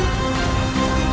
aku akan menangkapmu